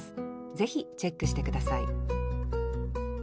ぜひチェックして下さい